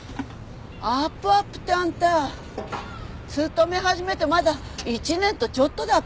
アップアップってあんた勤め始めてまだ１年とちょっとだっぺ？